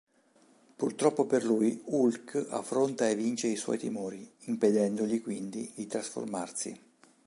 Purtroppo per lui Hulk affronta e vince i suoi timori, impedendogli quindi di trasformarsi.